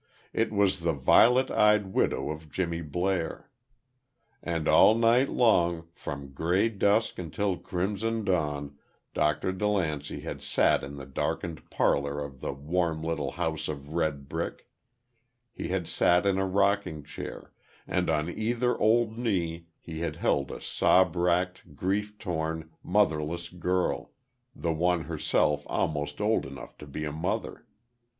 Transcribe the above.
It was the violet eyed widow of Jimmy Blair. And all night long, from gray dusk until crimson dawn, Dr. DeLancey had sat in the darkened parlor of the warm little house of red brick; he had sat in a rocking chair, and on either old knee he had held a sob wracked, grief torn, motherless girl, the one herself almost old enough to be a mother.